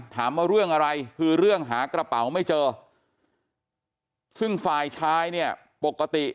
ถามว่าเรื่องอะไรคือเรื่องหากระเป๋าไม่เจอซึ่งฝ่ายชายเนี่ยปกติ